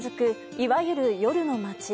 いわゆる夜の街。